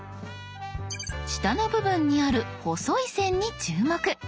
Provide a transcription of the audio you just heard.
下の部分にある細い線に注目。